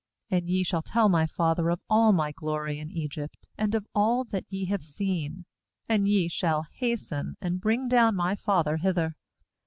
KAnd ye shall tell my father of all my glory in Egypt, and of all that ye have seen; and ye shall hasten and bring down my father hither.'